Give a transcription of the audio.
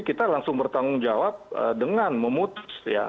kita langsung bertanggung jawab dengan memutus ya